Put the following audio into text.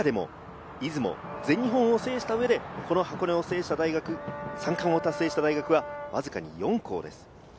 中でも出雲、全日本を制した上で、この箱根を制した大学、三冠を達成した大学はわずかに４校です。